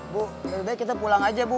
bu lebih baik kita pulang aja bu